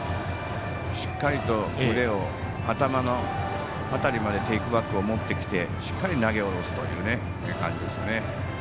しっかりと腕を頭の辺りまでテイクバックを持ってきてしっかり投げ下ろすという感じですよね。